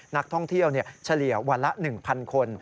นักท่องเที่ยวเฉลี่ยวันละ๑๐๐คน